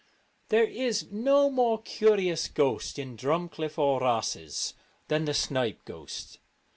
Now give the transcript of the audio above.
There is no more curious ghost in Drumcliff or Rosses than the snipe ghost.